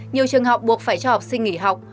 nhiều trường học buộc phải cho học sinh nghỉ học